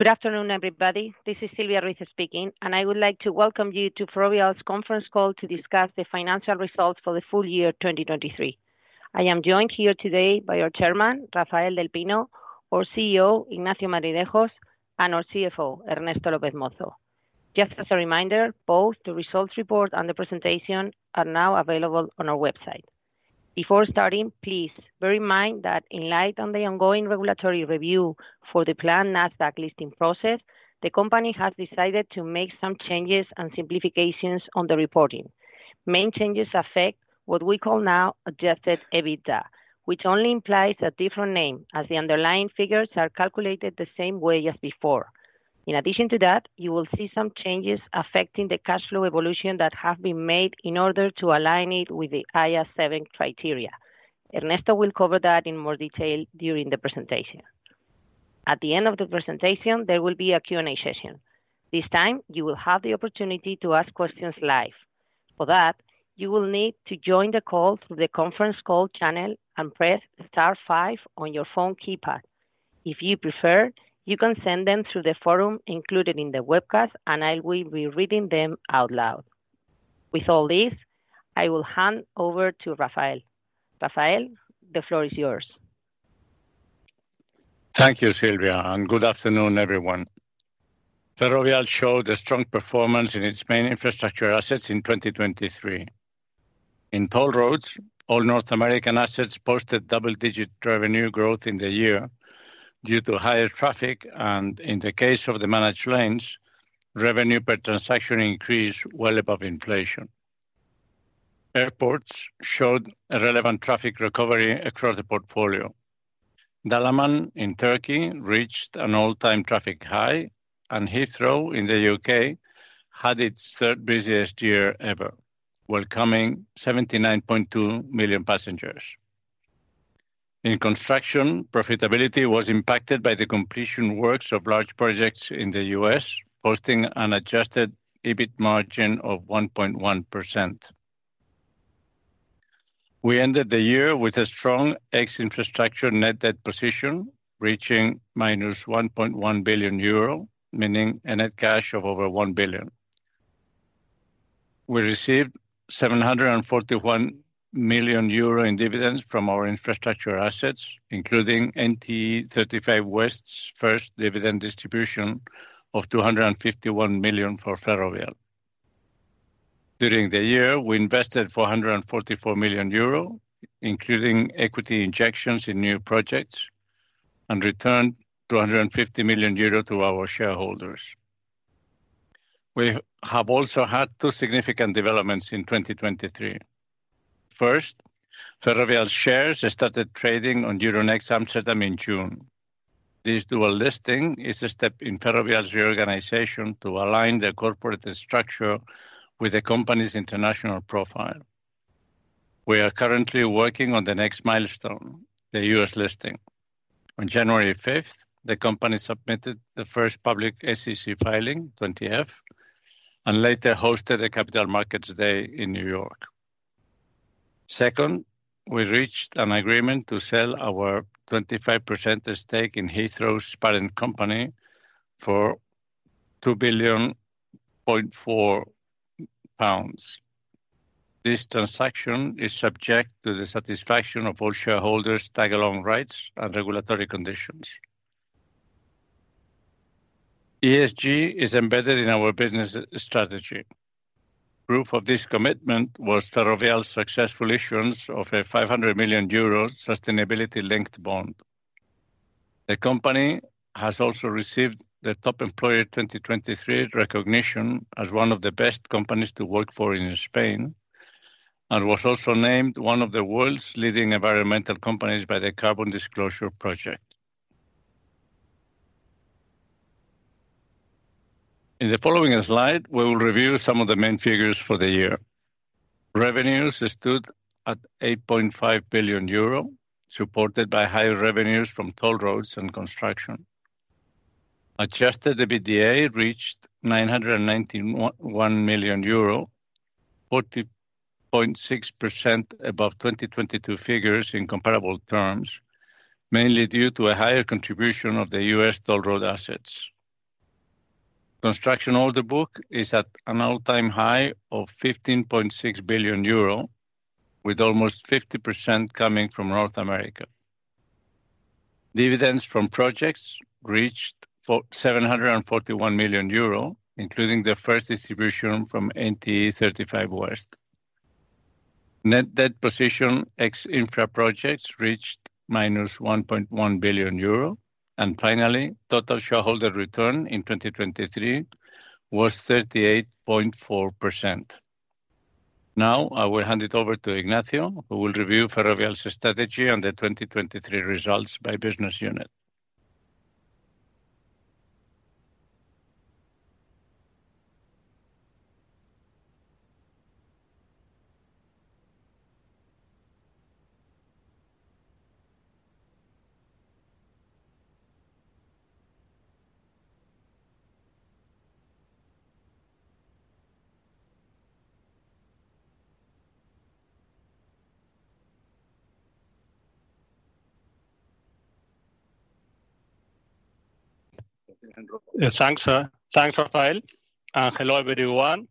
Good afternoon, everybody. This is Silvia Ruiz speaking, and I would like to welcome you to Ferrovial's conference call to discuss the financial results for the full year 2023. I am joined here today by our chairman, Rafael del Pino, our CEO, Ignacio Madridejos, and our CFO, Ernesto López Mozo. Just as a reminder, both the results report and the presentation are now available on our website. Before starting, please bear in mind that in light of the ongoing regulatory review for the planned NASDAQ listing process, the company has decided to make some changes and simplifications on the reporting. Main changes affect what we call now adjusted EBITDA, which only implies a different name as the underlying figures are calculated the same way as before. In addition to that, you will see some changes affecting the cash flow evolution that have been made in order to align it with the IAS 7 criteria. Ernesto will cover that in more detail during the presentation. At the end of the presentation, there will be a Q&A session. This time, you will have the opportunity to ask questions live. For that, you will need to join the call through the conference call channel and press star five on your phone keypad. If you prefer, you can send them through the forum included in the webcast, and I will be reading them out loud. With all this, I will hand over to Rafael. Rafael, the floor is yours. Thank you, Silvia, and good afternoon, everyone. Ferrovial showed a strong performance in its main infrastructure assets in 2023. In toll roads, all North American assets posted double-digit revenue growth in the year due to higher traffic, and in the case of the managed lanes, revenue per transaction increased well above inflation. Airports showed a relevant traffic recovery across the portfolio. Dalaman in Turkey reached an all-time traffic high, and Heathrow in the U.K. had its third busiest year ever, welcoming 79.2 million passengers. In construction, profitability was impacted by the completion works of large projects in the U.S., posting an adjusted EBIT margin of 1.1%. We ended the year with a strong ex-infrastructure net debt position reaching minus 1.1 billion euro, meaning a net cash of over 1 billion. We received 741 million euro in dividends from our infrastructure assets, including NTE 35W's first dividend distribution of 251 million for Ferrovial. During the year, we invested 444 million euro, including equity injections in new projects, and returned 250 million euro to our shareholders. We have also had two significant developments in 2023. First, Ferrovial shares started trading on Euronext Amsterdam in June. This dual listing is a step in Ferrovial's reorganization to align the corporate structure with the company's international profile. We are currently working on the next milestone, the U.S. listing. On January 5th, the company submitted the first public SEC filing, Form 20-F, and later hosted the Capital Markets Day in N.Y. Second, we reached an agreement to sell our 25% stake in Heathrow Airport Holdings for 2.4 billion. This transaction is subject to the satisfaction of all shareholders' tag-along rights and regulatory conditions. ESG is embedded in our business strategy. Proof of this commitment was Ferrovial's successful issuance of a 500 million euro sustainability-linked bond. The company has also received the Top Employer 2023 recognition as one of the best companies to work for in Spain and was also named one of the world's leading environmental companies by the Carbon Disclosure Project. In the following slide, we will review some of the main figures for the year. Revenues stood at 8.5 billion euro, supported by higher revenues from toll roads and construction. Adjusted EBITDA reached 991 million euro, 40.6% above 2022 figures in comparable terms, mainly due to a higher contribution of the U.S. toll road assets. Construction order book is at an all-time high of 15.6 billion euro, with almost 50% coming from North America. Dividends from projects reached 741 million euro, including the first distribution from NTE 35W. Net debt position ex-infra projects reached -1.1 billion euro, and finally, total shareholder return in 2023 was 38.4%. Now I will hand it over to Ignacio, who will review Ferrovial's strategy on the 2023 results by business unit. Thanks, Rafael, and hello everyone.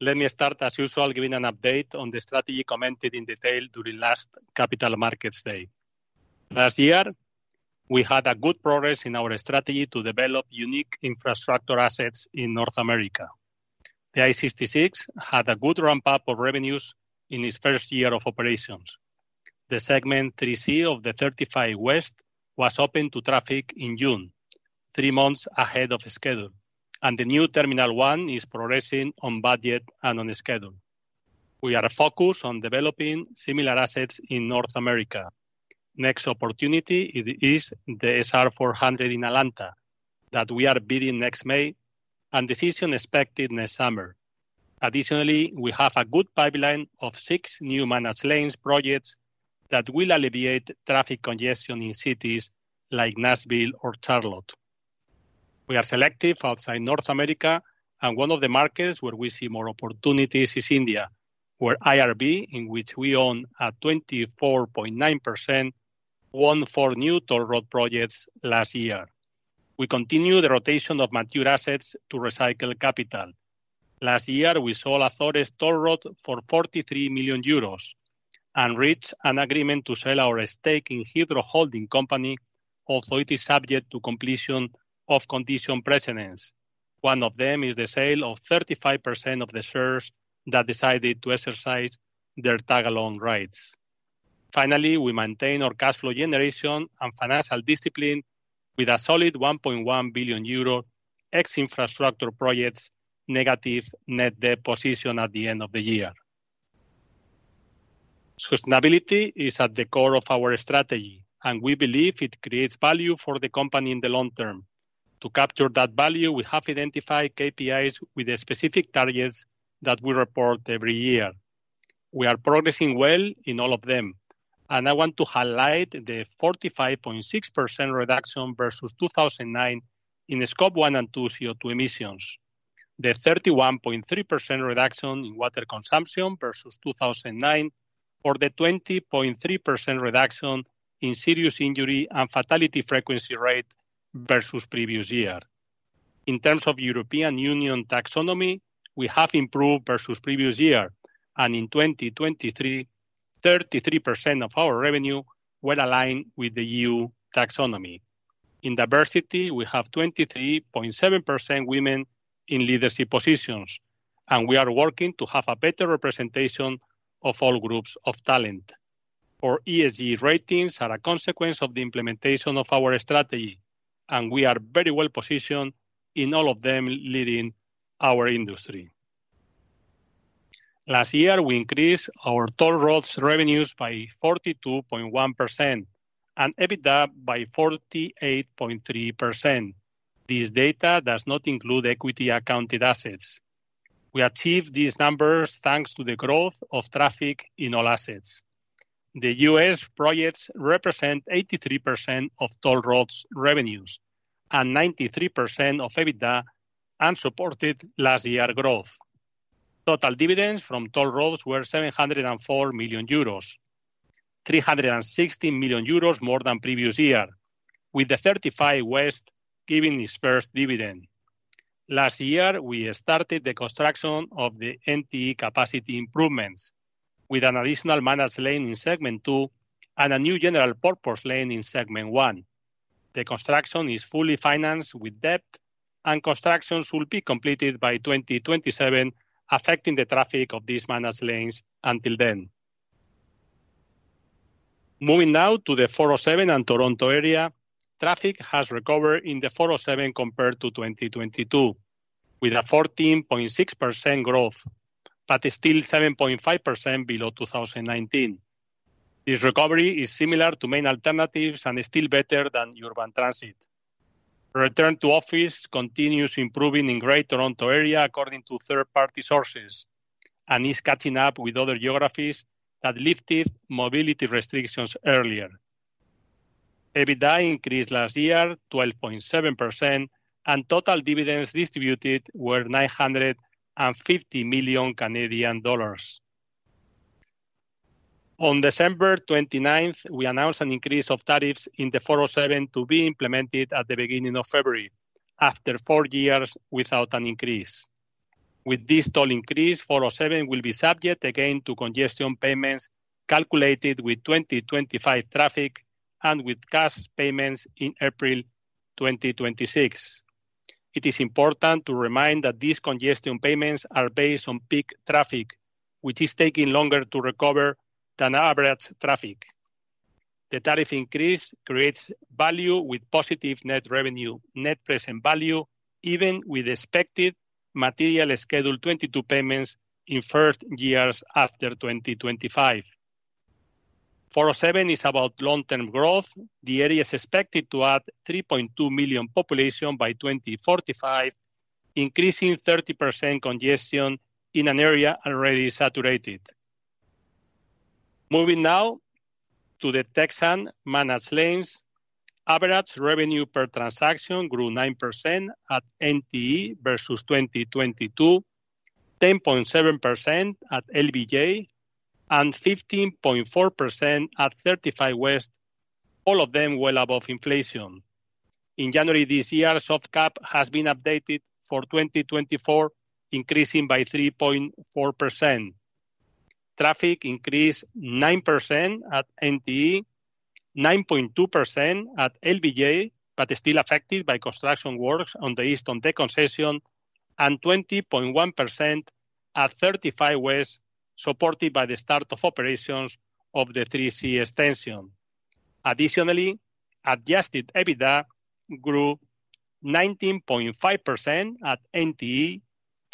Let me start as usual giving an update on the strategy commented in detail during last Capital Markets Day. Last year, we had good progress in our strategy to develop unique infrastructure assets in North America. The I-66 had a good ramp-up of revenues in its first year of operations. The Segment 3C of the 35W was open to traffic in June, three months ahead of schedule, and the New Terminal One is progressing on budget and on schedule. We are focused on developing similar assets in North America. Next opportunity is the SR 400 in Atlanta that we are bidding next May, and decision expected next summer. Additionally, we have a good pipeline of six new managed lanes projects that will alleviate traffic congestion in cities like Nashville or Charlotte. We are selective outside North America, and one of the markets where we see more opportunities is India, where IRB, in which we own a 24.9%, won four new toll road projects last year. We continue the rotation of mature assets to recycle capital. Last year, we sold Azores Toll Road for 43 million euros and reached an agreement to sell our stake in Heathrow Airport Holdings, although it is subject to completion of conditions precedent. One of them is the sale of 35% of the shares that decided to exercise their tag-along rights. Finally, we maintain our cash flow generation and financial discipline with a solid 1.1 billion euro ex-infrastructure projects negative net debt position at the end of the year. Sustainability is at the core of our strategy, and we believe it creates value for the company in the long term. To capture that value, we have identified KPIs with specific targets that we report every year. We are progressing well in all of them, and I want to highlight the 45.6% reduction versus 2009 in Scope 1 and 2 CO2 emissions, the 31.3% reduction in water consumption versus 2009, or the 20.3% reduction in serious injury and fatality frequency rate versus previous year. In terms of EU Taxonomy, we have improved versus previous year, and in 2023, 33% of our revenue well aligned with the EU Taxonomy. In diversity, we have 23.7% women in leadership positions, and we are working to have a better representation of all groups of talent. Our ESG ratings are a consequence of the implementation of our strategy, and we are very well positioned in all of them leading our industry. Last year, we increased our toll roads revenues by 42.1% and EBITDA by 48.3%. This data does not include equity-accounted assets. We achieved these numbers thanks to the growth of traffic in all assets. The U.S. projects represent 83% of toll roads revenues and 93% of EBITDA and supported last year growth. Total dividends from toll roads were 704 million euros, 360 million euros more than previous year, with the 35W giving its first dividend. Last year, we started the construction of the NTE Capacity Improvements with an additional managed lane in Segment 2 and a new general purpose lane in Segment 1. The construction is fully financed with debt, and construction will be completed by 2027, affecting the traffic of these managed lanes until then. Moving now to the 407 and Toronto area, traffic has recovered in the 407 compared to 2022 with a 14.6% growth, but still 7.5% below 2019. This recovery is similar to main alternatives and still better than urban transit. Return to office continues improving in Greater Toronto Area, according to third-party sources, and is catching up with other geographies that lifted mobility restrictions earlier. EBITDA increased last year 12.7%, and total dividends distributed were 950 million Canadian dollars. On December 29th, we announced an increase of tariffs in the 407 to be implemented at the beginning of February, after four years without an increase. With this toll increase, 407 will be subject again to Congestion Payments calculated with 2025 traffic and with cash payments in April 2026. It is important to remind that these Congestion Payments are based on peak traffic, which is taking longer to recover than average traffic. The tariff increase creates value with positive net present value, even with expected material Schedule 22 payments in first years after 2025. 407 is about long-term growth. The area is expected to add 3.2 million population by 2045, increasing 30% congestion in an area already saturated. Moving now to the Texan managed lanes, average revenue per transaction grew 9% at NTE versus 2022, 10.7% at LBJ, and 15.4% at 35W, all of them well above inflation. In January this year, Soft Cap has been updated for 2024, increasing by 3.4%. Traffic increased 9% at NTE, 9.2% at LBJ, but still affected by construction works on the Eastern Extension, and 20.1% at 35W, supported by the start of operations of the 3C extension. Additionally, adjusted EBITDA grew 19.5% at NTE,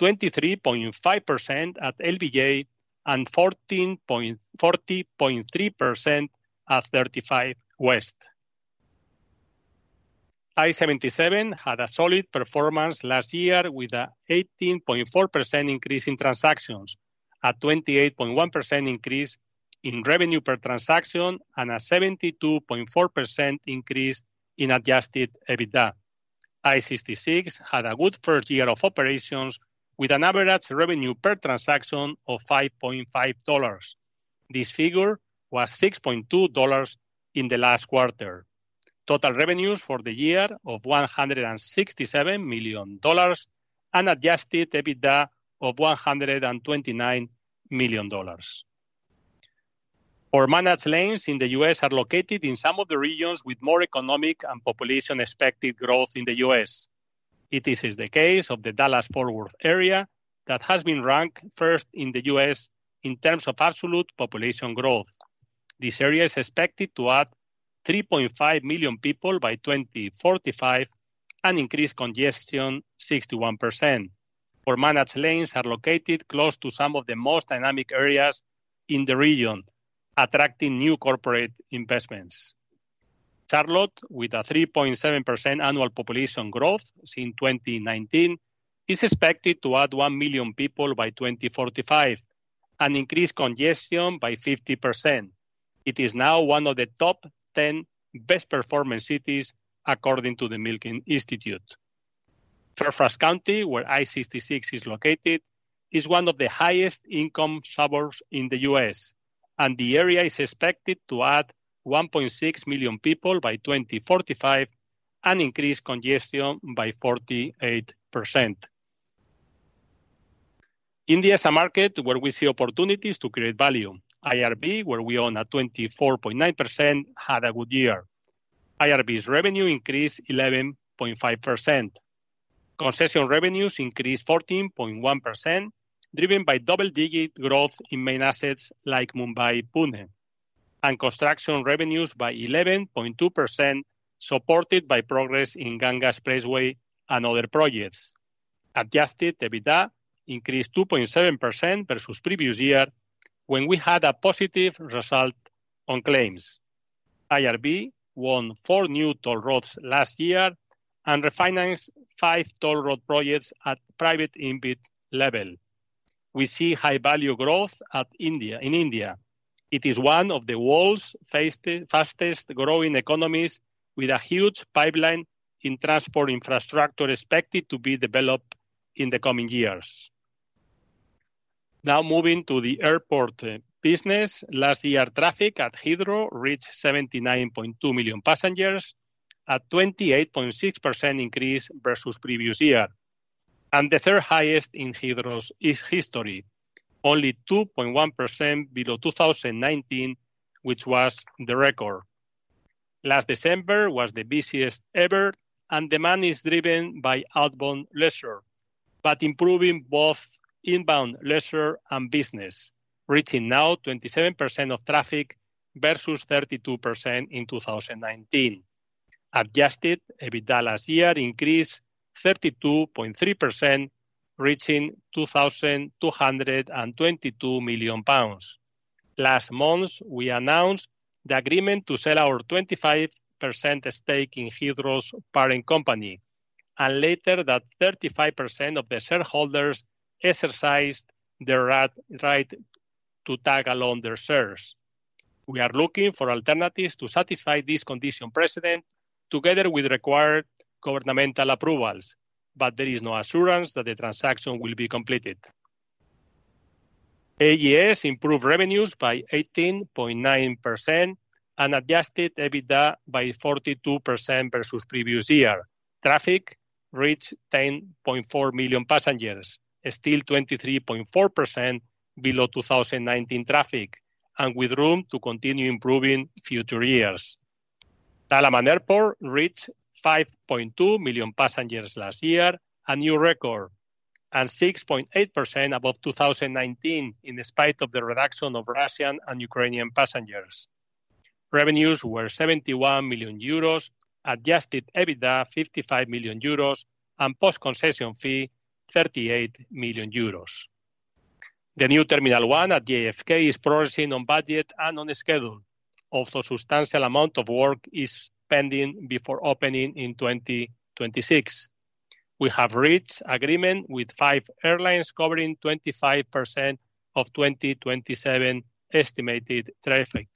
23.5% at LBJ, and 40.3% at 35W. I-77 had a solid performance last year with an 18.4% increase in transactions, a 28.1% increase in revenue per transaction, and a 72.4% increase in adjusted EBITDA. I-66 had a good first year of operations with an average revenue per transaction of $5.5. This figure was $6.2 in the last quarter. Total revenues for the year of $167 million and adjusted EBITDA of $129 million. Our managed lanes in the U.S. are located in some of the regions with more economic and population-expected growth in the U.S. It is the case of the Dallas-Fort Worth area that has been ranked first in the U.S. in terms of absolute population growth. This area is expected to add 3.5 million people by 2045 and increase congestion 61%. Our managed lanes are located close to some of the most dynamic areas in the region, attracting new corporate investments. Charlotte, with a 3.7% annual population growth since 2019, is expected to add one million people by 2045 and increase congestion by 50%. It is now one of the top 10 best-performing cities, according to the Milken Institute. Fairfax County, where I-66 is located, is one of the highest-income suburbs in the U.S., and the area is expected to add 1.6 million people by 2045 and increase congestion by 48%. India is a market where we see opportunities to create value. IRB, where we own a 24.9%, had a good year. IRB's revenue increased 11.5%. Concession revenues increased 14.1%, driven by double-digit growth in main assets like Mumbai-Pune, and construction revenues by 11.2%, supported by progress in Ganga Expressway and other projects. Adjusted EBITDA increased 2.7% versus previous year when we had a positive result on claims. IRB won four new toll roads last year and refinanced five toll road projects at private InvIT level. We see high-value growth in India. It is one of the world's fastest-growing economies, with a huge pipeline in transport infrastructure expected to be developed in the coming years. Now moving to the airport business. Last year, traffic at Heathrow reached 79.2 million passengers, a 28.6% increase versus previous year, and the third highest in Heathrow history, only 2.1% below 2019, which was the record. Last December was the busiest ever, and demand is driven by outbound leisure but improving both inbound leisure and business, reaching now 27% of traffic versus 32% in 2019. Adjusted EBITDA last year increased 32.3%, reaching 2,222 million pounds. Last month, we announced the agreement to sell our 25% stake in Heathrow parent company, and later that 35% of the shareholders exercised their right to tag-along their shares. We are looking for alternatives to satisfy this condition precedent together with required governmental approvals, but there is no assurance that the transaction will be completed. AGS improved revenues by 18.9% and adjusted EBITDA by 42% versus previous year. Traffic reached 10.4 million passengers, still 23.4% below 2019 traffic, and with room to continue improving future years. Dalaman Airport reached 5.2 million passengers last year, a new record, and 6.8% above 2019 in spite of the reduction of Russian and Ukrainian passengers. Revenues were 71 million euros, adjusted EBITDA 55 million euros, and post-concession fee 38 million euros. The New Terminal One at JFK is progressing on budget and on schedule, although a substantial amount of work is pending before opening in 2026. We have reached agreement with five airlines covering 25% of 2027 estimated traffic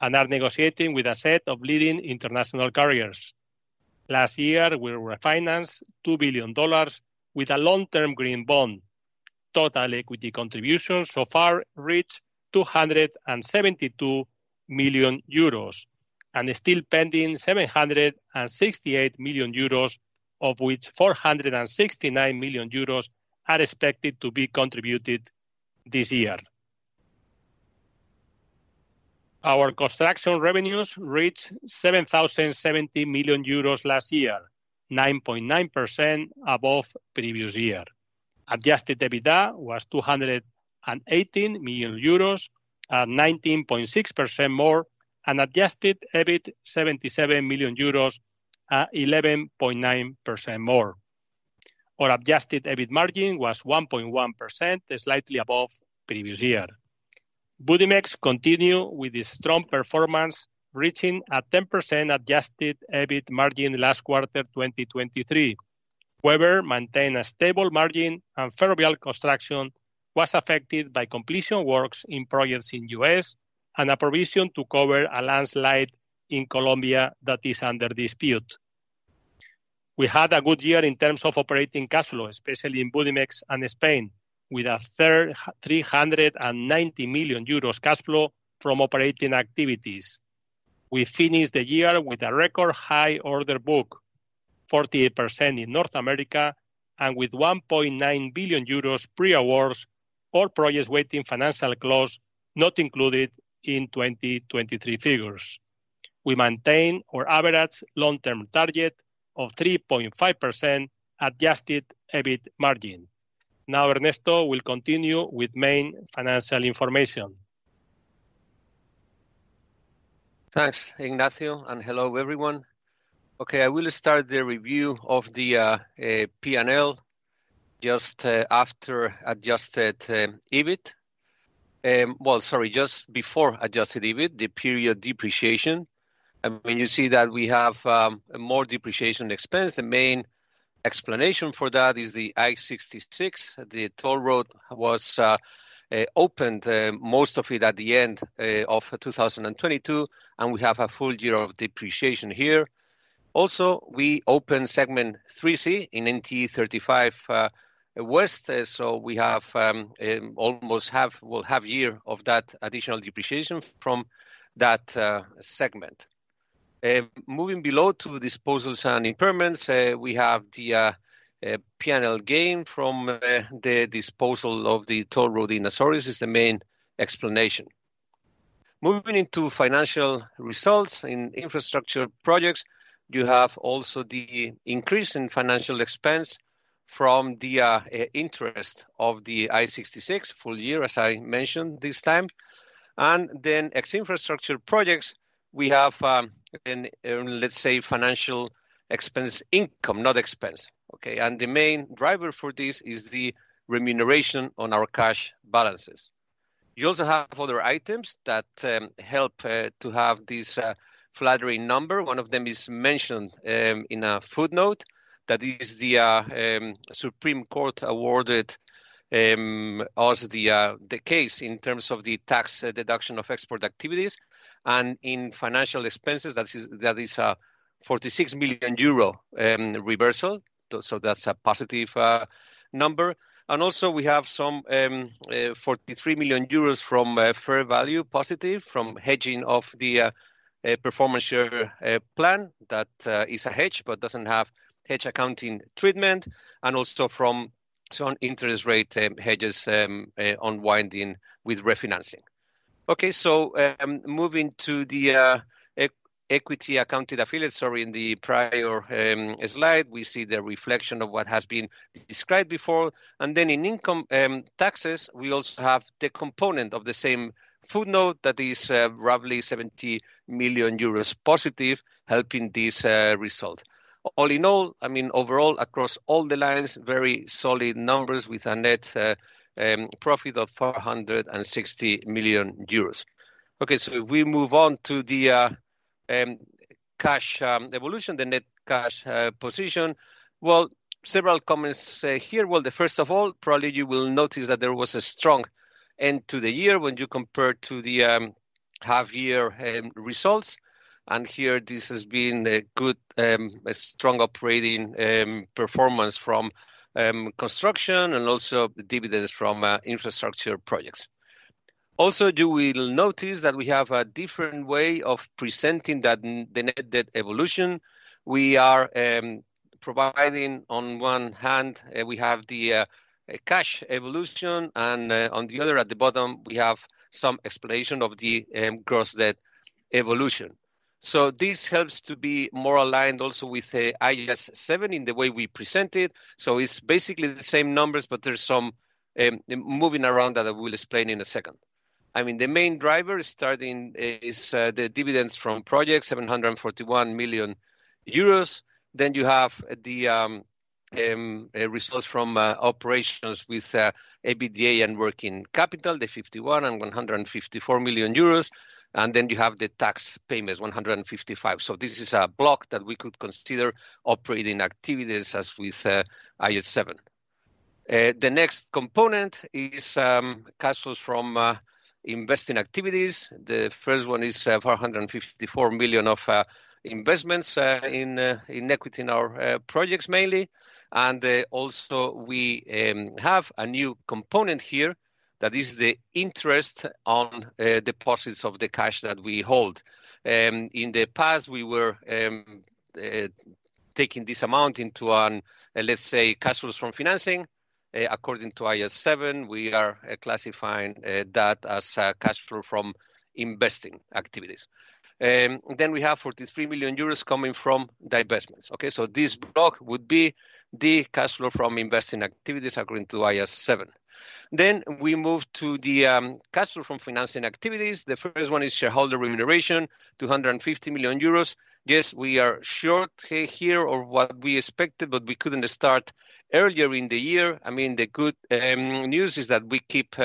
and are negotiating with a set of leading international carriers. Last year, we refinanced $2 billion with a long-term green bond. Total equity contributions so far reached 272 million euros and still pending 768 million euros, of which 469 million euros are expected to be contributed this year. Our construction revenues reached 7,070 million euros last year, 9.9% above previous year. Adjusted EBITDA was 218 million euros, 19.6% more, and adjusted EBIT 77 million euros, 11.9% more. Our adjusted EBIT margin was 1.1%, slightly above previous year. Budimex continued with a strong performance, reaching a 10% adjusted EBIT margin last quarter 2023. However, maintaining a stable margin and Ferrovial Construction was affected by completion works in projects in the U.S. and a provision to cover a landslide in Colombia that is under dispute. We had a good year in terms of operating cash flow, especially in Budimex and Spain, with a 390 million euros cash flow from operating activities. We finished the year with a record high order book, 48% in North America, and with 1.9 billion euros pre-awards, all projects waiting financial close not included in 2023 figures. We maintained our average long-term target of 3.5% adjusted EBIT margin. Now, Ernesto will continue with main financial information. Thanks, Ignacio, and hello everyone. Okay, I will start the review of the P&L just after Adjusted EBIT. Well, sorry, just before adjusted EBIT, the period depreciation. I mean, you see that we have more depreciation expense. The main explanation for that is the I-66. The toll road was opened, most of it at the end of 2022, and we have a full year of depreciation here. Also, we opened Segment 3C in NTE 35W, so we almost will have a year of that additional depreciation from that segment. Moving below to disposals and impairments, we have the P&L gain from the disposal of the toll road in Azores, is the main explanation. Moving into financial results in infrastructure projects, you have also the increase in financial expense from the interest of the I-66 full year, as I mentioned this time. And then ex-infrastructure projects, we have, let's say, financial expense income, not expense. And the main driver for this is the remuneration on our cash balances. You also have other items that help to have this flattering number. One of them is mentioned in a footnote that is the Supreme Court awarded us the case in terms of the tax deduction of export activities. And in financial expenses, that is a 46 million euro reversal, so that's a positive number. And also, we have some 43 million euros from fair value positive from hedging of the performance share plan that is a hedge but doesn't have hedge accounting treatment, and also from some interest rate hedges unwinding with refinancing. Okay, so moving to the equity accounted affiliate, sorry, in the prior slide, we see the reflection of what has been described before. Then in income taxes, we also have the component of the same footnote that is roughly 70 million euros positive, helping this result. All in all, I mean, overall, across all the lines, very solid numbers with a net profit of 460 million euros. Okay, so if we move on to the cash evolution, the net cash position, well, several comments here. Well, first of all, probably you will notice that there was a strong end to the year when you compare to the half-year results. And here, this has been a good, strong operating performance from construction and also dividends from infrastructure projects. Also, you will notice that we have a different way of presenting the net debt evolution. We are providing, on one hand, we have the cash evolution, and on the other, at the bottom, we have some explanation of the gross debt evolution. So this helps to be more aligned also with IAS 7 in the way we present it. So it's basically the same numbers, but there's some moving around that I will explain in a second. I mean, the main driver starting is the dividends from projects, 741 million euros. Then you have the results from operations with EBITDA and working capital, the 51 million and 154 million euros. And then you have the tax payments, 155 million. So this is a block that we could consider operating activities as with IAS 7. The next component is cash flows from investing activities. The first one is 454 million of investments in equity in our projects mainly. And also, we have a new component here that is the interest on deposits of the cash that we hold. In the past, we were taking this amount into an, let's say, cash flows from financing. According to IAS 7, we are classifying that as cash flow from investing activities. Then we have 43 million euros coming from the investments. Okay, so this block would be the cash flow from investing activities according to IAS 7. Then we move to the cash flow from financing activities. The first one is shareholder remuneration, 250 million euros. Yes, we are short here or what we expected, but we couldn't start earlier in the year. I mean, the good news is that we keep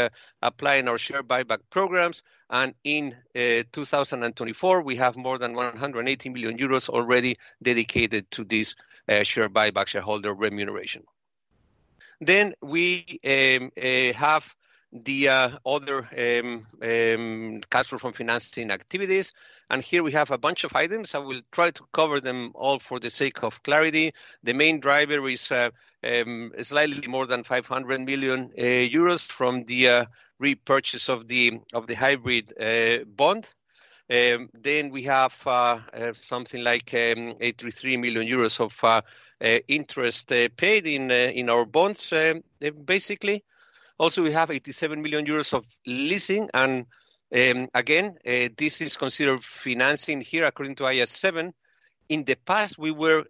applying our share buyback programs. And in 2024, we have more than 180 million euros already dedicated to this share buyback, shareholder remuneration. Then we have the other cash flow from financing activities. And here we have a bunch of items. I will try to cover them all for the sake of clarity. The main driver is slightly more than 500 million euros from the repurchase of the hybrid bond. Then we have something like 83 million euros of interest paid in our bonds, basically. Also, we have 87 million euros of leasing. And again, this is considered financing here according to IAS 7. In the past, we were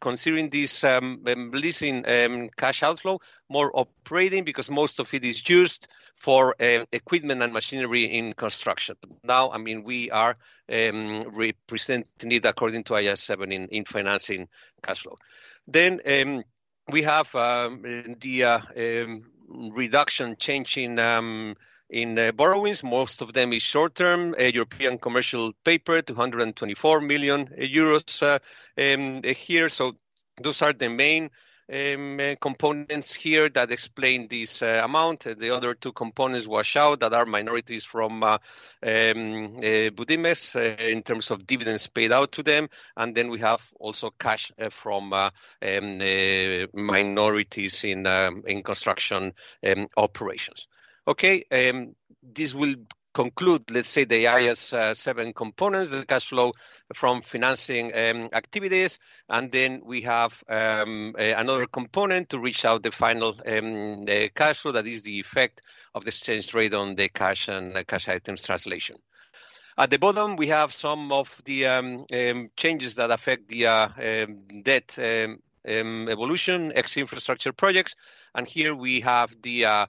considering this leasing cash outflow more operating because most of it is used for equipment and machinery in construction. Now, I mean, we are representing it according to IAS 7 in financing cash flow. Then we have the reduction changing in borrowings. Most of them is short-term, European commercial paper, 224 million euros here. So those are the main components here that explain this amount. The other two components wash out that are minorities from Budimex in terms of dividends paid out to them. And then we have also cash from minorities in construction operations. Okay, this will conclude, let's say, the IAS 7 components, the cash flow from financing activities. And then we have another component to reach out the final cash flow that is the effect of the exchange rate on the cash and cash items translation. At the bottom, we have some of the changes that affect the debt evolution, ex-infrastructure projects. And here we have the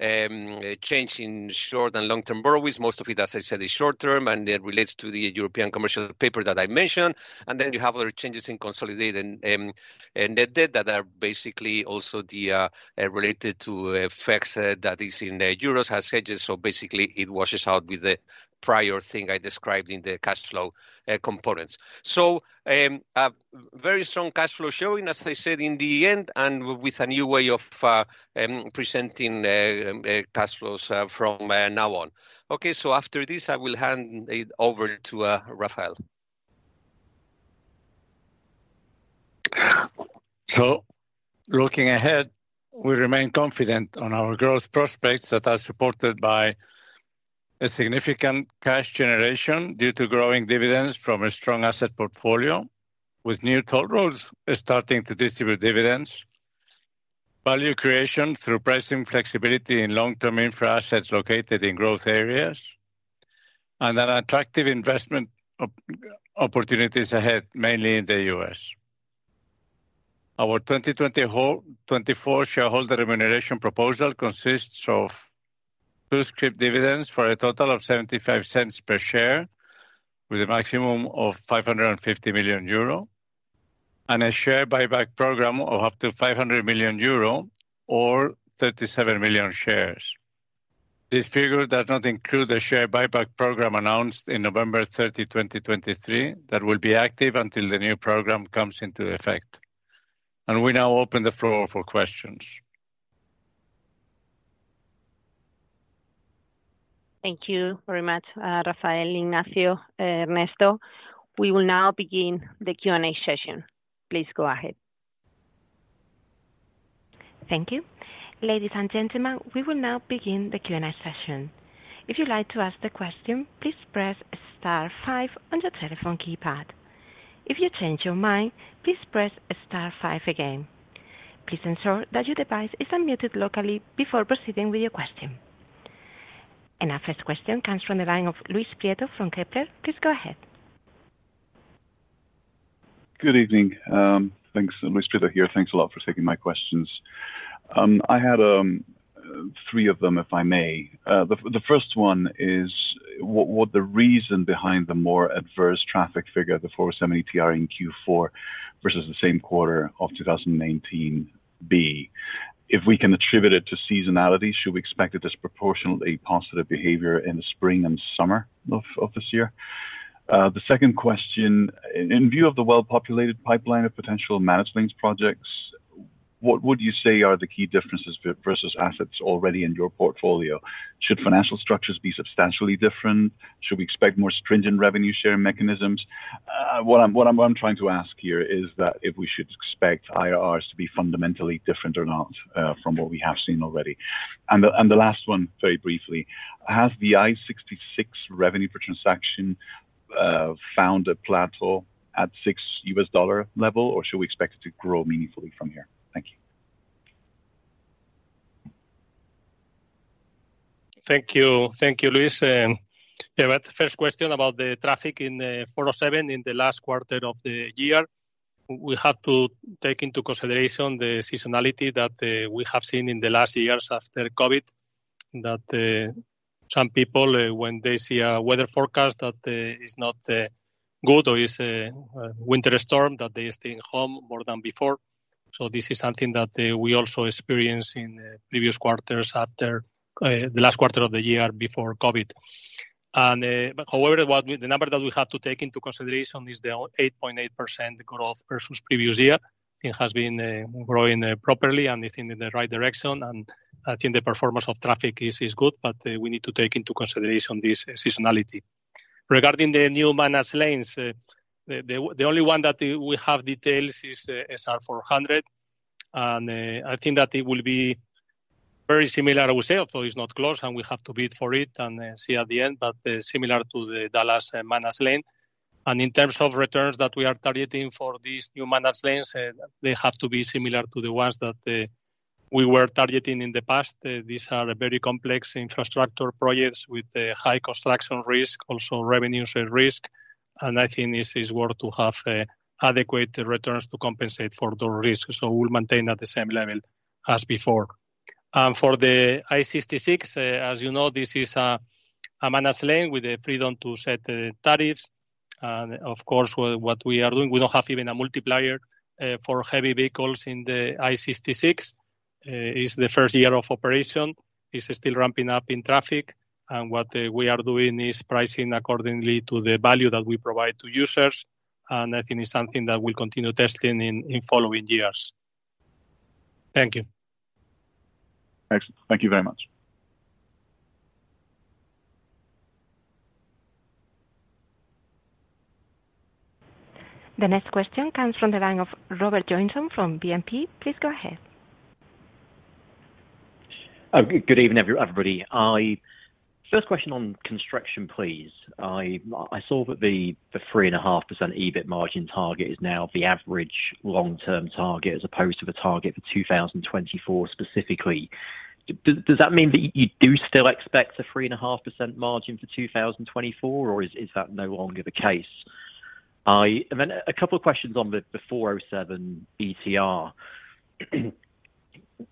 change in short and long-term borrowings. Most of it, as I said, is short-term, and it relates to the European commercial paper that I mentioned. And then you have other changes in consolidated net debt that are basically also related to effects that is in euros as hedges. So basically, it washes out with the prior thing I described in the cash flow components. So very strong cash flow showing, as I said, in the end and with a new way of presenting cash flows from now on. Okay, so after this, I will hand it over to Rafael. Looking ahead, we remain confident on our growth prospects that are supported by a significant cash generation due to growing dividends from a strong asset portfolio, with new toll roads starting to distribute dividends, value creation through pricing flexibility in long-term infra assets located in growth areas, and then attractive investment opportunities ahead, mainly in the U.S. Our 2024 shareholder remuneration proposal consists of two scrip dividends for a total of 0.75 per share, with a maximum of 550 million euro, and a share buyback program of up to 500 million euro or 37 million shares. This figure does not include the share buyback program announced in November 30, 2023 that will be active until the new program comes into effect. We now open the floor for questions. Thank you very much, Rafael, Ignacio, Ernesto. We will now begin the Q&A session. Please go ahead. Thank you. Ladies and gentlemen, we will now begin the Q&A session. If you'd like to ask the question, please press star five on your telephone keypad. If you change your mind, please press star five again. Please ensure that your device is unmuted locally before proceeding with your question. Our first question comes from the line of Luis Prieto from Kepler. Please go ahead. Good evening. Thanks. Luis Prieto here. Thanks a lot for taking my questions. I had three of them, if I may. The first one is, what the reason behind the more adverse traffic figure, the 407 ETR in Q4 versus the same quarter of 2019 be. If we can attribute it to seasonality, should we expect a disproportionately positive behavior in the spring and summer of this year? The second question, in view of the well-populated pipeline of potential managed projects, what would you say are the key differences versus assets already in your portfolio? Should financial structures be substantially different? Should we expect more stringent revenue share mechanisms? What I'm trying to ask here is that if we should expect IRRs to be fundamentally different or not from what we have seen already. The last one, very briefly, has the I-66 revenue per transaction found a plateau at $6 level, or should we expect it to grow meaningfully from here? Thank you. Thank you. Thank you, Luis. Yeah, but first question about the traffic in 407 in the last quarter of the year. We have to take into consideration the seasonality that we have seen in the last years after COVID, that some people, when they see a weather forecast that is not good or it's a winter storm, that they stay home more than before. So this is something that we also experienced in previous quarters after the last quarter of the year before COVID. However, the number that we have to take into consideration is the 8.8% growth versus previous year. It has been growing properly, and it's in the right direction. And I think the performance of traffic is good, but we need to take into consideration this seasonality. Regarding the new managed lanes, the only one that we have details is SR 400. And I think that it will be very similar, I would say, although it's not close, and we have to bid for it and see at the end, but similar to the Dallas managed lanes. And in terms of returns that we are targeting for these new managed lanes, they have to be similar to the ones that we were targeting in the past. These are very complex infrastructure projects with high construction risk, also revenues risk. And I think it's worth to have adequate returns to compensate for those risks. So we'll maintain at the same level as before. And for the I-66, as you know, this is a managed lane with the freedom to set tariffs. And of course, what we are doing, we don't have even a multiplier for heavy vehicles in the I-66. It's the first year of operation. It's still ramping up in traffic. What we are doing is pricing accordingly to the value that we provide to users. I think it's something that we'll continue testing in following years. Thank you. Excellent. Thank you very much. The next question comes from the line of Robert Joynson from BNP. Please go ahead. Good evening, everybody. First question on construction, please. I saw that the 3.5% EBIT margin target is now the average long-term target as opposed to the target for 2024 specifically. Does that mean that you do still expect a 3.5% margin for 2024, or is that no longer the case? And then a couple of questions on the 407 ETR.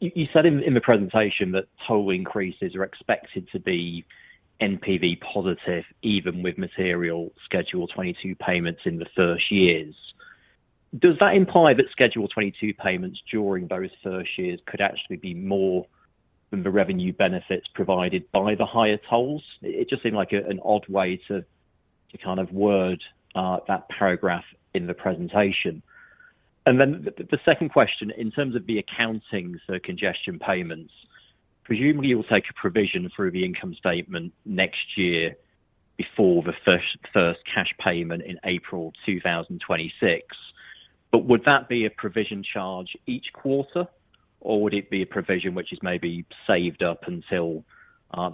You said in the presentation that toll increases are expected to be NPV positive even with material Schedule 22 payments in the first years. Does that imply that Schedule 22 payments during those first years could actually be more than the revenue benefits provided by the higher tolls? It just seemed like an odd way to kind of word that paragraph in the presentation. Then the second question, in terms of the accounting for congestion payments, presumably, you'll take a provision through the income statement next year before the first cash payment in April 2026. Would that be a provision charge each quarter, or would it be a provision which is maybe saved up until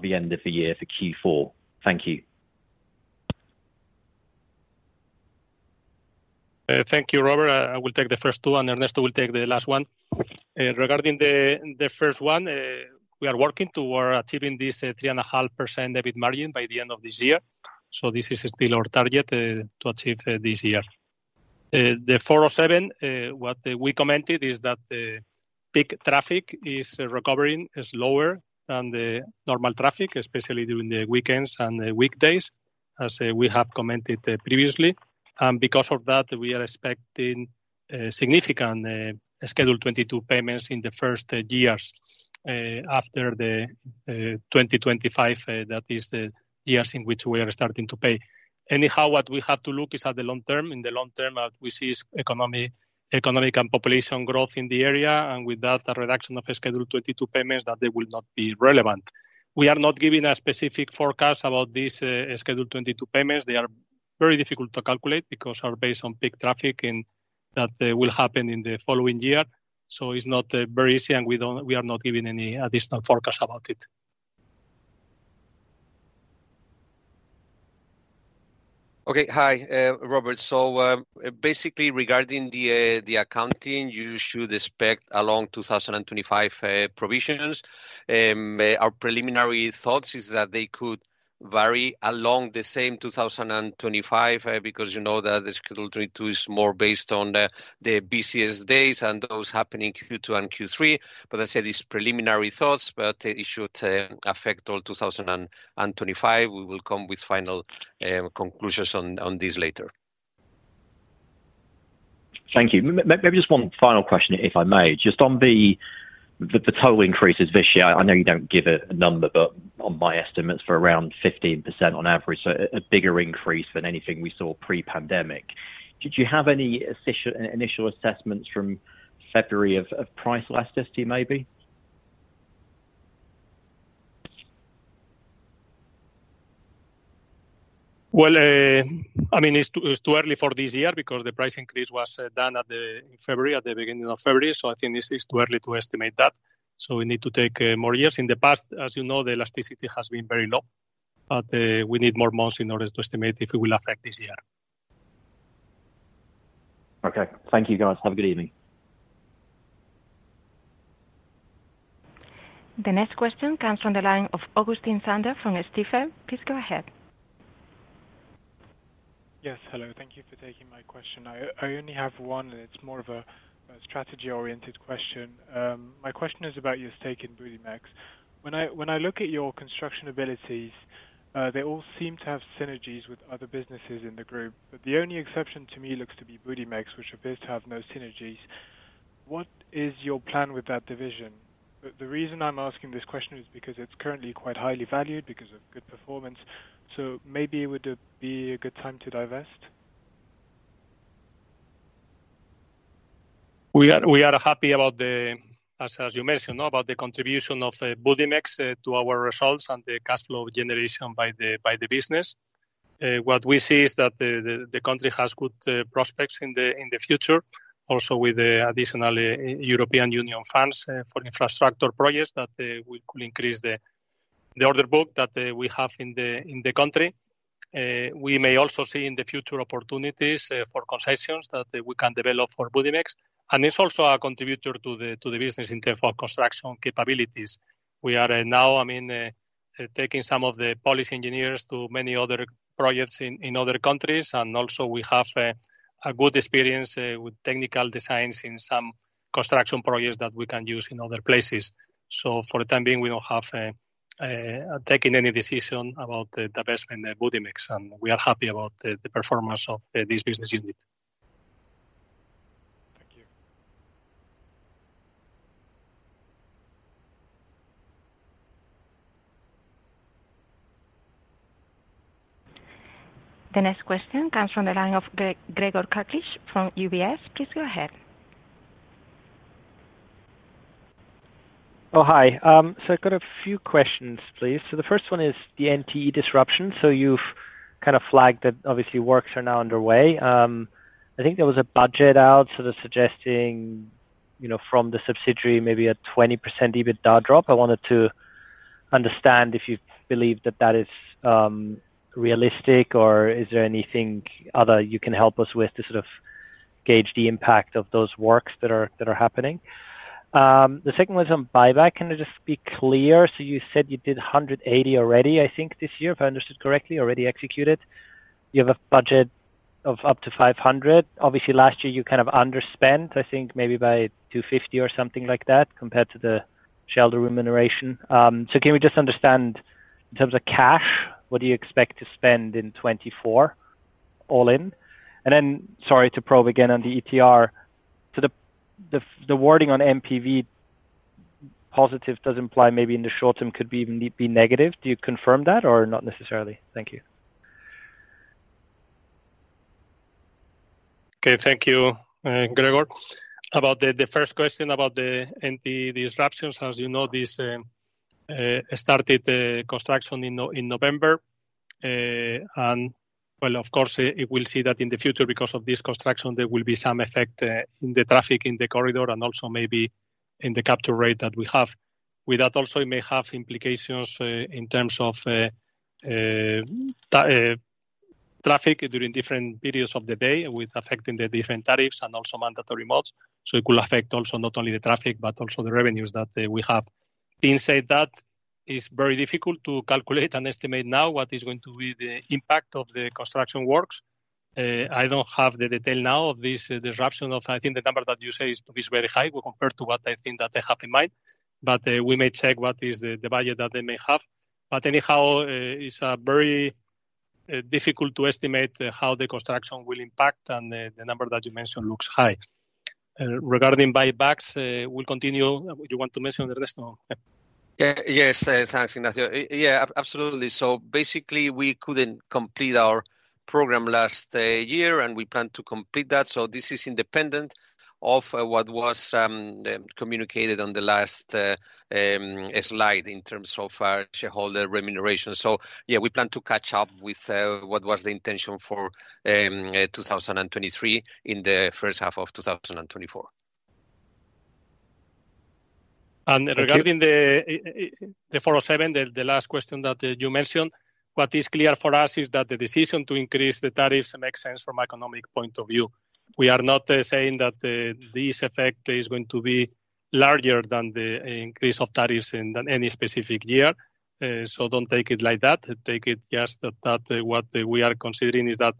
the end of the year for Q4? Thank you. Thank you, Robert. I will take the first two, and Ernesto will take the last one. Regarding the first one, we are working toward achieving this 3.5% EBIT margin by the end of this year. So this is still our target to achieve this year. The 407, what we commented is that peak traffic is recovering slower than the normal traffic, especially during the weekends and weekdays, as we have commented previously. And because of that, we are expecting significant Schedule 22 payments in the first years after the 2025, that is the years in which we are starting to pay. Anyhow, what we have to look is at the long term. In the long term, what we see is economic and population growth in the area. And with that, a reduction of Schedule 22 payments that they will not be relevant. We are not giving a specific forecast about these Schedule 22 payments. They are very difficult to calculate because they are based on peak traffic and that will happen in the following year. It's not very easy, and we are not giving any additional forecast about it. Okay. Hi, Robert. So basically, regarding the accounting, you should expect along 2025 provisions. Our preliminary thoughts is that they could vary along the same 2025 because you know that the Schedule 22 is more based on the busiest days and those happening Q2 and Q3. But as I said, it's preliminary thoughts, but it should affect all 2025. We will come with final conclusions on this later. Thank you. Maybe just one final question, if I may. Just on the toll increases this year, I know you don't give a number, but on my estimates, for around 15% on average, so a bigger increase than anything we saw pre-pandemic. Did you have any initial assessments from February of price elasticity, maybe? Well, I mean, it's too early for this year because the price increase was done in February, at the beginning of February. I think it's too early to estimate that. We need to take more years. In the past, as you know, the elasticity has been very low, but we need more months in order to estimate if it will affect this year. Okay. Thank you, guys. Have a good evening. The next question comes from the line of Augustin Cendre from Stifel. Please go ahead. Yes. Hello. Thank you for taking my question. I only have one, and it's more of a strategy-oriented question. My question is about your stake in Budimex. When I look at your construction abilities, they all seem to have synergies with other businesses in the group. But the only exception to me looks to be Budimex, which appears to have no synergies. What is your plan with that division? The reason I'm asking this question is because it's currently quite highly valued because of good performance. So maybe it would be a good time to divest? We are happy about the, as you mentioned, about the contribution of Budimex to our results and the cash flow generation by the business. What we see is that the country has good prospects in the future, also with additional European Union funds for infrastructure projects that will increase the order book that we have in the country. We may also see in the future opportunities for concessions that we can develop for Budimex. It's also a contributor to the business in terms of construction capabilities. We are now, I mean, taking some of the Polish engineers to many other projects in other countries. Also, we have a good experience with technical designs in some construction projects that we can use in other places. So for the time being, we don't have taken any decision about the investment in Budimex. We are happy about the performance of this business unit. Thank you. The next question comes from the line of Gregor Kuglitsch from UBS. Please go ahead. Oh, hi. So I've got a few questions, please. So the first one is the NTE disruption. So you've kind of flagged that, obviously, works are now underway. I think there was a budget out sort of suggesting from the subsidiary, maybe a 20% EBITDA drop. I wanted to understand if you believe that that is realistic, or is there anything other you can help us with to sort of gauge the impact of those works that are happening? The second one is on buyback. Can I just be clear? So you said you did 180 million already, I think, this year, if I understood correctly, already executed. You have a budget of up to 500 million. Obviously, last year, you kind of underspent, I think, maybe by 250 million or something like that compared to the shareholder remuneration. So can we just understand, in terms of cash, what do you expect to spend in 2024 all-in? And then, sorry to probe again on the ETR. So the wording on NPV positive does imply maybe in the short term could be negative. Do you confirm that or not necessarily? Thank you. Okay. Thank you, Gregor. About the first question about the NTE disruptions, as you know, this started construction in November. And well, of course, it will see that in the future because of this construction, there will be some effect in the traffic in the corridor and also maybe in the capture rate that we have. With that also, it may have implications in terms of traffic during different periods of the day with affecting the different tariffs and also mandatory modes. So it could affect also not only the traffic but also the revenues that we have. Being said, that is very difficult to calculate and estimate now what is going to be the impact of the construction works. I don't have the detail now of this disruption of I think the number that you say is very high compared to what I think that they have in mind. We may check what is the budget that they may have. Anyhow, it's very difficult to estimate how the construction will impact, and the number that you mentioned looks high. Regarding buybacks, we'll continue. Do you want to mention Ernesto? Yes. Thanks, Ignacio. Yeah, absolutely. So basically, we couldn't complete our program last year, and we plan to complete that. So this is independent of what was communicated on the last slide in terms of our shareholder remuneration. So yeah, we plan to catch up with what was the intention for 2023 in the first half of 2024. Regarding the 407, the last question that you mentioned, what is clear for us is that the decision to increase the tariffs makes sense from an economic point of view. We are not saying that this effect is going to be larger than the increase of tariffs in any specific year. So don't take it like that. Take it just that what we are considering is that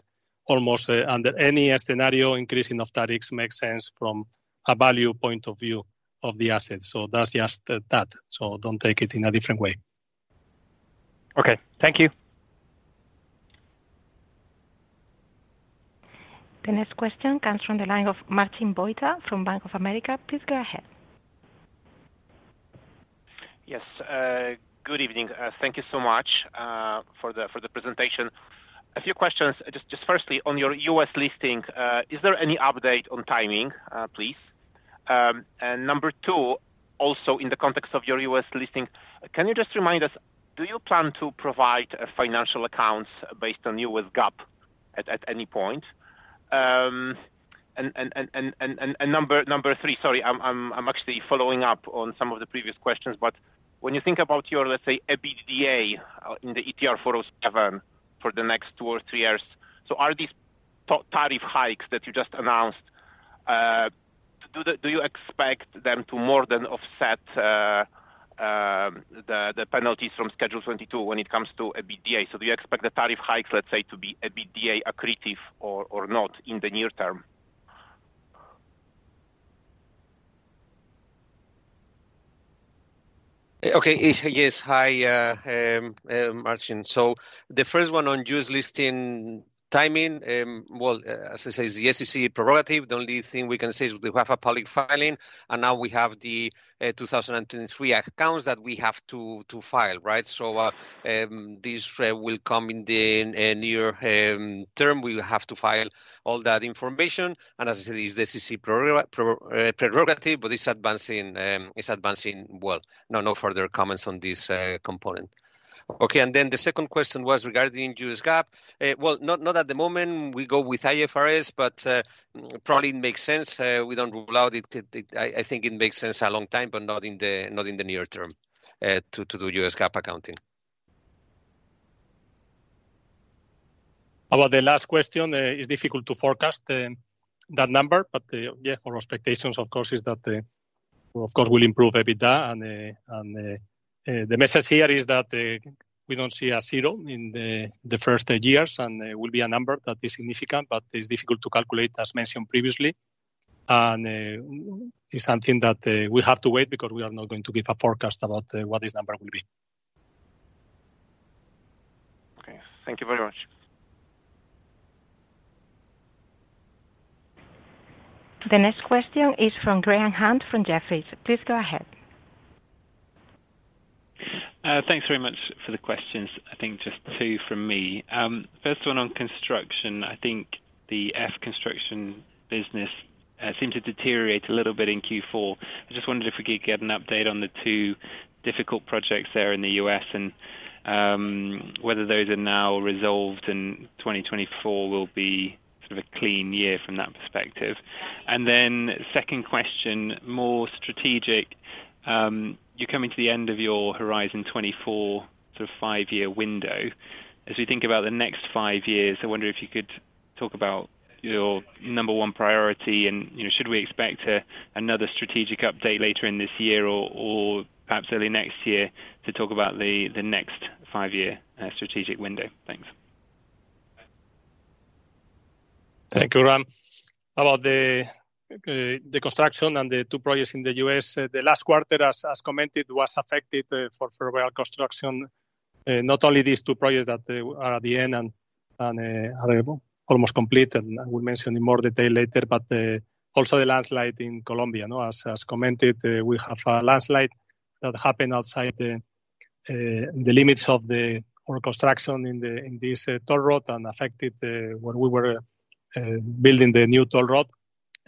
almost under any scenario, increasing of tariffs makes sense from a value point of view of the assets. So that's just that. So don't take it in a different way. Okay. Thank you. The next question comes from the line of Marcin Wojtal from Bank of America. Please go ahead. Yes. Good evening. Thank you so much for the presentation. A few questions. Just firstly, on your US listing, is there any update on timing, please? And number two, also in the context of your US listing, can you just remind us, do you plan to provide financial accounts based on US GAAP at any point? And number three, sorry, I'm actually following up on some of the previous questions. But when you think about your, let's say, EBITDA in the ETR 407 for the next two or three years, so are these tariff hikes that you just announced, do you expect them to more than offset the penalties from Schedule 22 when it comes to EBITDA? So do you expect the tariff hikes, let's say, to be EBITDA accretive or not in the near term? Okay. Yes. Hi, Marcin. So the first one on US listing timing, well, as I say, it's the SEC prerogative. The only thing we can say is we have a public filing, and now we have the 2023 accounts that we have to file, right? So this will come in the near term. We will have to file all that information. And as I said, it's the SEC prerogative, but it's advancing well. No, no further comments on this component. Okay. And then the second question was regarding US GAAP. Well, not at the moment. We go with IFRS, but probably it makes sense. We don't rule out it. I think it makes sense a long time, but not in the near term to do US GAAP accounting. About the last question, it's difficult to forecast that number. But yeah, our expectations, of course, is that, of course, we'll improve EBITDA. And the message here is that we don't see a zero in the first years, and it will be a number that is significant, but it's difficult to calculate, as mentioned previously. And it's something that we have to wait because we are not going to give a forecast about what this number will be. Okay. Thank you very much. The next question is from Graham Hunt from Jefferies. Please go ahead. Thanks very much for the questions. I think just two from me. First one on construction. I think the Ferrovial Construction business seemed to deteriorate a little bit in Q4. I just wondered if we could get an update on the two difficult projects there in the U.S. and whether those are now resolved and 2024 will be sort of a clean year from that perspective. And then second question, more strategic. You're coming to the end of your Horizon 24 sort of five-year window. As we think about the next five years, I wonder if you could talk about your number one priority and should we expect another strategic update later in this year or perhaps early next year to talk about the next five-year strategic window. Thanks. Thank you, Graham. About the construction and the two projects in the U.S., the last quarter, as commented, was affected for Ferrovial Construction, not only these two projects that are at the end and are almost complete, and I will mention in more detail later, but also the landslide in Colombia. As commented, we have a landslide that happened outside the limits of our construction in this toll road and affected where we were building the new toll road.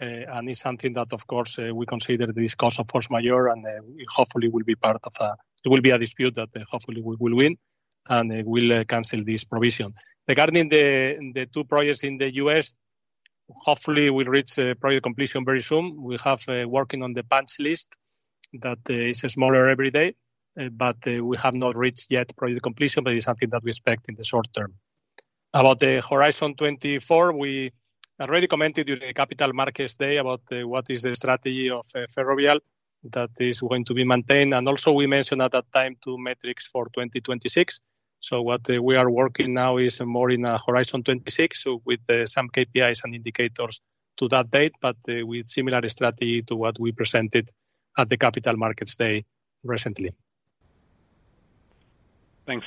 And it's something that, of course, we consider this cost of force majeure, and hopefully, it will be part of a dispute that hopefully, we will win and we'll cancel this provision. Regarding the two projects in the U.S., hopefully, we'll reach project completion very soon. We have working on the punch list that is smaller every day, but we have not reached yet project completion, but it's something that we expect in the short term. About the Horizon 24, we already commented during the Capital Markets Day about what is the strategy of Ferrovial that is going to be maintained. Also, we mentioned at that time two metrics for 2026. So what we are working now is more in Horizon 26 with some KPIs and indicators to that date, but with similar strategy to what we presented at the Capital Markets Day recently. Thanks.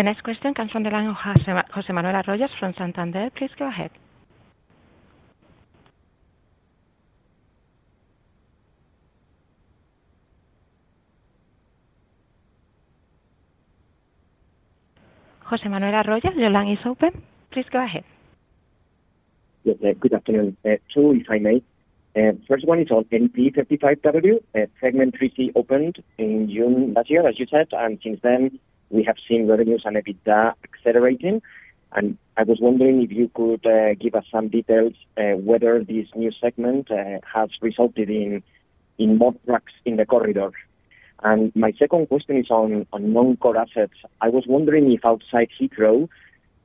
The next question comes from the line of José Manuel Arroyas from Santander. Please go ahead. José Manuel Arroyas, your line is open. Please go ahead. Yes. Good afternoon, too, if I may. First one is on NTE 35W. Segment 3C opened in June last year, as you said, and since then, we have seen revenues and EBITDA accelerating. And I was wondering if you could give us some details whether this new segment has resulted in more trucks in the corridor. And my second question is on non-core assets. I was wondering if outside Heathrow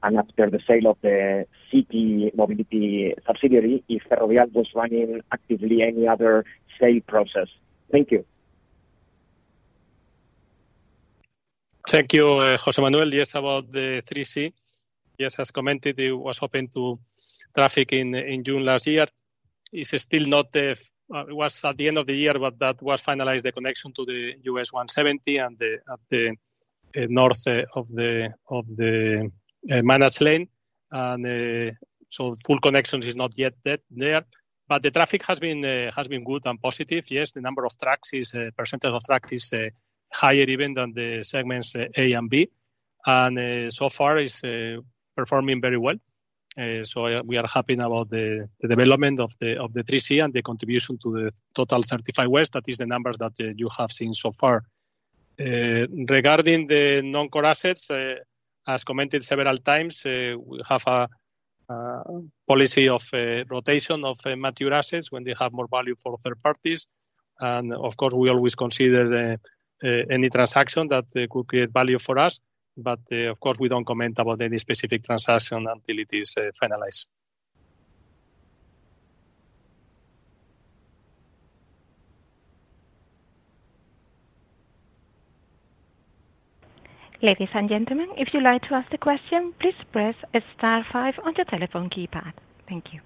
and after the sale of the Zity subsidiary, if Ferrovial was running actively any other sale process. Thank you. Thank you, José Manuel. Yes, about the 3C. Yes, as commented, it was open to traffic in June last year. It's still not; it was at the end of the year, but that was finalized, the connection to the SH 170 and at the north of the managed lane. And so full connections is not yet there. But the traffic has been good and positive. Yes, the number of trucks, percentage of trucks, is higher even than the segments A and B. And so far, it's performing very well. So we are happy about the development of the 3C and the contribution to the total 35W. That is the numbers that you have seen so far. Regarding the non-core assets, as commented several times, we have a policy of rotation of mature assets when they have more value for third parties. Of course, we always consider any transaction that could create value for us. Of course, we don't comment about any specific transaction until it is finalized. Ladies and gentlemen, if you like to ask the question, please press star five on your telephone keypad. Thank you.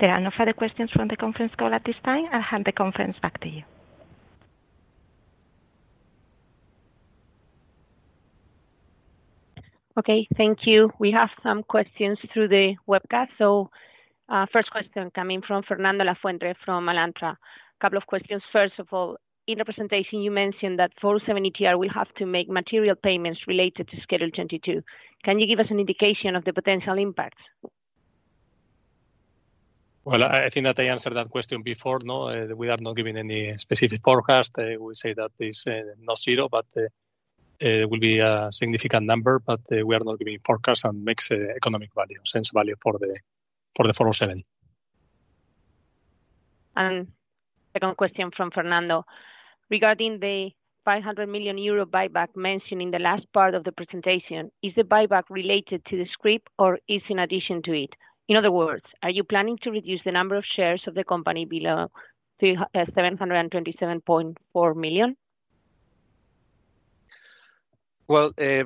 There are no further questions from the conference call at this time. I'll hand the conference back to you. Okay. Thank you. We have some questions through the webcast. So first question coming from Fernando Lafuente from Alantra. Couple of questions. First of all, in the presentation, you mentioned that 407 ETR will have to make material payments related to Schedule 22. Can you give us an indication of the potential impact? Well, I think that I answered that question before. We are not giving any specific forecast. We say that it's not zero, but it will be a significant number. But we are not giving forecasts and makes economic value, sense value for the 407. Second question from Fernando. Regarding the 500 million euro buyback mentioned in the last part of the presentation, is the buyback related to the scrip, or is it in addition to it? In other words, are you planning to reduce the number of shares of the company below the 727.4 million? Well, I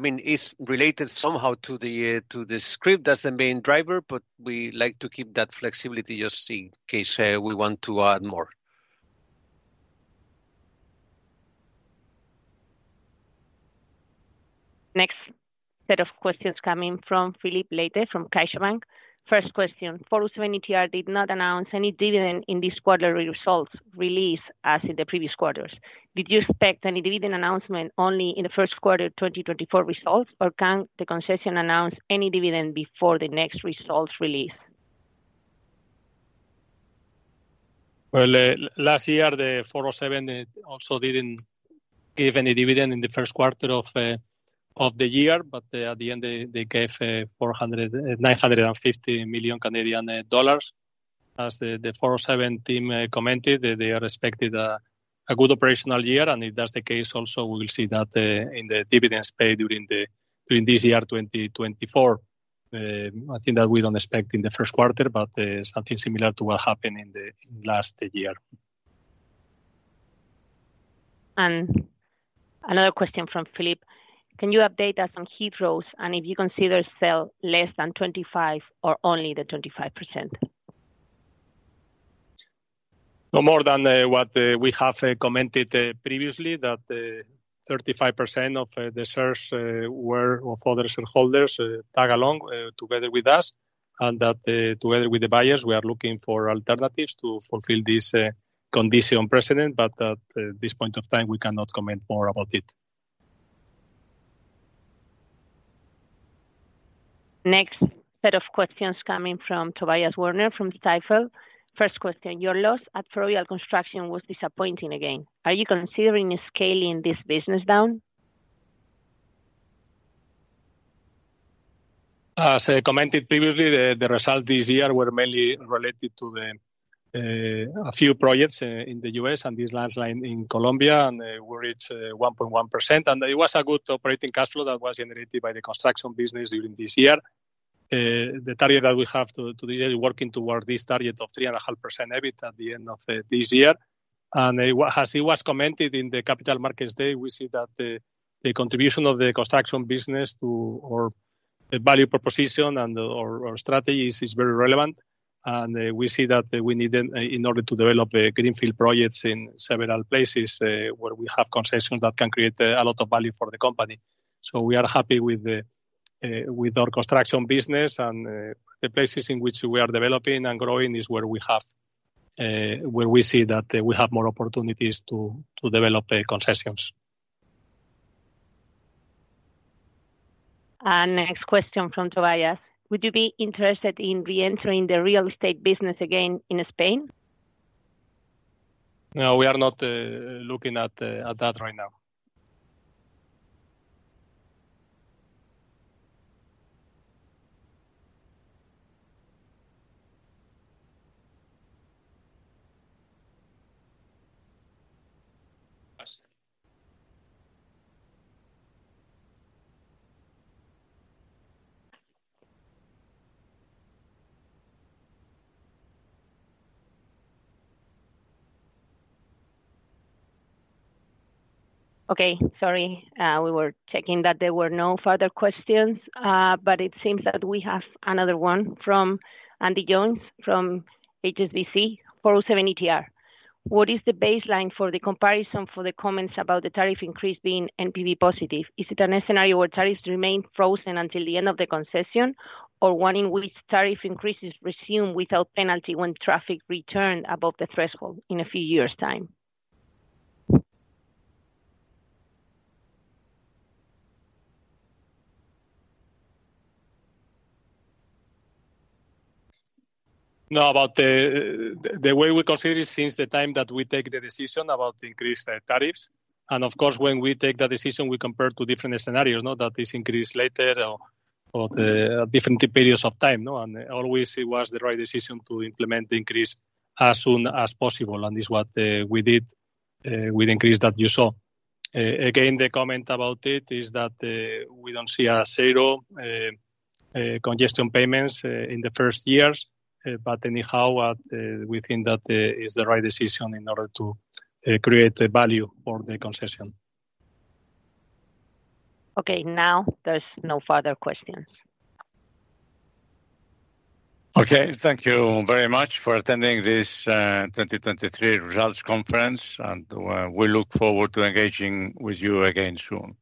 mean, it's related somehow to the scrip. That's the main driver, but we like to keep that flexibility just in case we want to add more. Next set of questions coming from Filipe Leite from CaixaBank. First question. 407 ETR did not announce any dividend in this quarterly results release as in the previous quarters. Did you expect any dividend announcement only in the first quarter 2024 results, or can the concession announce any dividend before the next results release? Well, last year, the 407 also didn't give any dividend in the first quarter of the year, but at the end, they gave 950 million Canadian dollars. As the 407 team commented, they are expecting a good operational year. If that's the case, also, we will see that in the dividends paid during this year 2024. I think that we don't expect in the first quarter, but something similar to what happened in last year. Another question from Filipe. Can you update us on Heathrow's and if you consider sell less than 25% or only the 25%? No more than what we have commented previously, that 35% of the shares were of other shareholders tag-along together with us and that together with the buyers, we are looking for alternatives to fulfill this condition precedent. But at this point of time, we cannot comment more about it. Next set of questions coming from Tobias Woerner from Stifel. First question. Your loss at Ferrovial Construction was disappointing again. Are you considering scaling this business down? As I commented previously, the results this year were mainly related to a few projects in the U.S. and this landslide in Colombia where it's 1.1%. It was a good operating cash flow that was generated by the construction business during this year. The target that we have to the year, working towards this target of 3.5% EBIT at the end of this year. As it was commented in the Capital Markets Day, we see that the contribution of the construction business to our value proposition and our strategy is very relevant. We see that we need in order to develop greenfield projects in several places where we have concessions that can create a lot of value for the company. So we are happy with our construction business. The places in which we are developing and growing is where we see that we have more opportunities to develop concessions. Next question from Tobias. Would you be interested in reentering the real estate business again in Spain? No, we are not looking at that right now. Okay. Sorry. We were checking that there were no further questions, but it seems that we have another one from Andy Jones from HSBC. 407 ETR. What is the baseline for the comparison for the comments about the tariff increase being NPV positive? Is it a scenario where tariffs remain frozen until the end of the concession, or one in which tariff increases resume without penalty when traffic returned above the threshold in a few years' time? No, about the way we consider it since the time that we take the decision about increased tariffs. And of course, when we take that decision, we compare to different scenarios, that this increase later or different periods of time. And always, it was the right decision to implement the increase as soon as possible. And it's what we did with the increase that you saw. Again, the comment about it is that we don't see a zero congestion payments in the first years. But anyhow, we think that it's the right decision in order to create value for the concession. Okay. Now, there's no further questions. Okay. Thank you very much for attending this 2023 results conference. We look forward to engaging with you again soon.